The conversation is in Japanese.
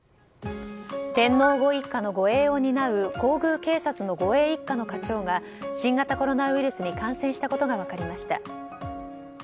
天皇ご一家の護衛を担う皇宮警察の護衛１課の課長が新型コロナウイルスに感染したことが分かりました。